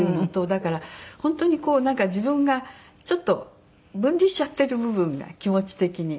だから本当になんか自分がちょっと分離しちゃってる部分が気持ち的に。